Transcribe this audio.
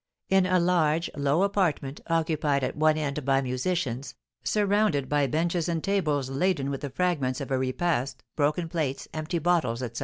In a large, low apartment, occupied at one end by musicians, surrounded by benches and tables laden with the fragments of a repast, broken plates, empty bottles, etc.